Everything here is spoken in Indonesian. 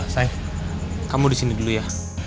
sayang kamu disini dulu ya